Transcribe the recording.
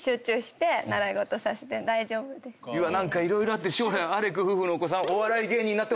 何か色々あって将来アレク夫婦のお子さん。